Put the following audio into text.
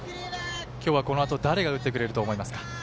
今日はこのあと誰が打ってくれると思いますか？